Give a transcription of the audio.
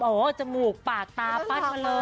โอ้โหจมูกปากตาปั้นมาเลย